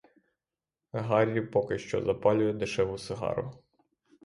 Гаррі поки що запалює дешеву сигару.